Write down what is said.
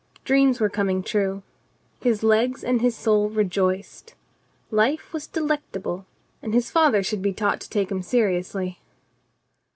Dreams were coming true. His legs and his soul rejoiced. Life was delectable. And his father should be taught to take him seriously.